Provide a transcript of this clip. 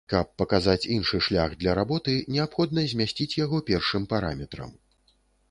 Каб паказаць іншы шлях для работы неабходна змясціць яго першым параметрам.